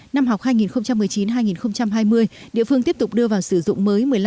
năm học hai nghìn một mươi chín hai nghìn hai mươi địa phương tiếp tục đưa vào sử dụng mới